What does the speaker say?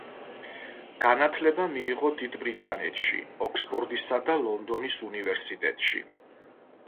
განათლება მიიღო დიდ ბრიტანეთში, ოქსფორდისა და ლონდონის უნივერსიტეტში.